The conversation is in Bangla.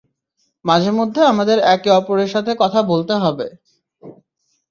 মাঝেমধ্যে আমাদের একে অপরের সাথে কথা বলতে হবে!